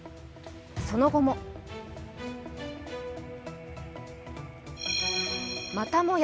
その後も、またもや